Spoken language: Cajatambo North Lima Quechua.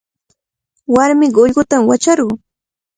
Warmiqa ullqutami wacharqun.